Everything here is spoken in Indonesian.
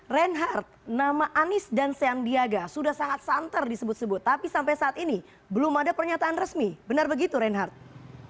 reinhardt nama anies dan sandiaga sudah sangat santer disebut sebut tapi sampai saat ini belum ada pernyataan resmi benar begitu reinhardt